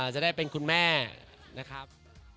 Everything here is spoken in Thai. จะได้เป็นคุณแม่นะครับ